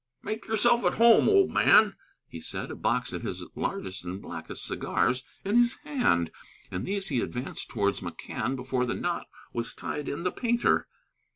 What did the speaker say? "Make yourself at home, old man," he said, a box of his largest and blackest cigars in his hand. And these he advanced towards McCann before the knot was tied in the painter.